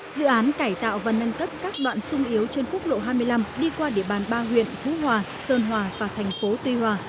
dự án cải tạo và nâng cấp các đoạn sung yếu trên quốc lộ hai mươi năm đi qua địa bàn ba huyện phú hòa sơn hòa và thành phố tuy hòa